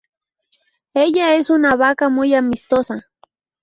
Ella es una vaca muy amistosa.